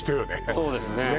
そうですね